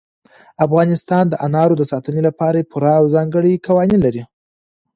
افغانستان د انارو د ساتنې لپاره پوره او ځانګړي قوانین لري.